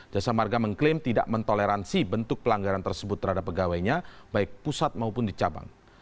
jasa marga mengklaim tidak mentoleransi bentuk pelanggaran tersebut terhadap pegawainya baik pusat maupun di cabang